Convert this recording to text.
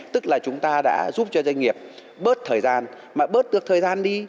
tức là chúng ta đã giúp cho doanh nghiệp bớt thời gian mà bớt được thời gian đi